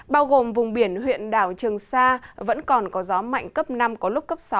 bao gồm vùng biển huyện đảo trường sa vẫn còn có gió mạnh cấp năm có lúc cấp sáu